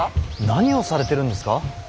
何をされてるんですか？